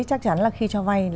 chắc chắn là khi cho vay